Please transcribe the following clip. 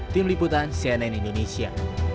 tim liputan cnn indonesia